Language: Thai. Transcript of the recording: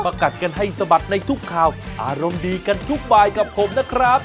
กัดกันให้สะบัดในทุกข่าวอารมณ์ดีกันทุกบายกับผมนะครับ